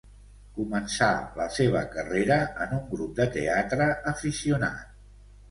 Començà la seva carrera en un grup de teatre aficionat.